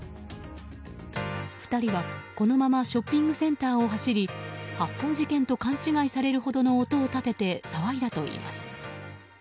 ２人は、このままショッピングセンターを走り発砲事件と勘違いされるほどの音を立てて騒いだといいます。